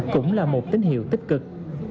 cũng là một tín hiệu tích cực